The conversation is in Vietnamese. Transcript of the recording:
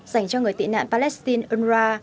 dành cho người tị nạn palestine unrwa